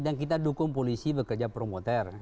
dan kita dukung polisi bekerja promoter